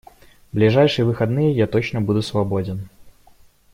В ближайшие выходные я точно буду свободен.